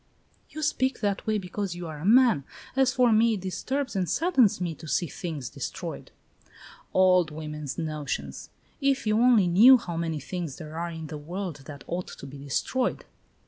"You speak that way because you are a man. As for me, it disturbs and saddens me to see things destroyed." "Old women's notions. If you only knew how many things there are in the world that ought to be destroyed!"